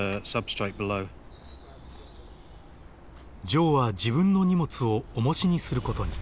ジョーは自分の荷物をおもしにすることに。